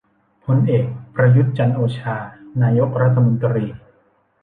พลเอก ประยุทธ์ จันทร์โอชา นายกรัฐมนตรี